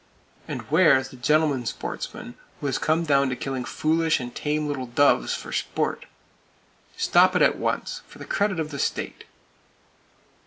And where is the gentleman sportsman who has come down to killing foolish and tame little doves for "sport?" Stop it at once, for the credit of the state.